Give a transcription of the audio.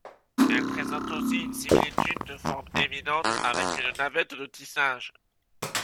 Elle présente aussi une similitude de forme évidente avec une navette de tissage.